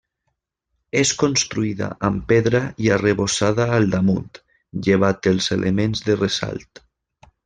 És construïda amb pedra i arrebossada al damunt llevat els elements de ressalt.